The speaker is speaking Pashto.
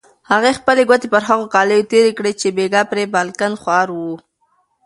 هغې خپلې ګوتې پر هغو کالیو تېرې کړې چې بېګا پر بالکن هوار وو.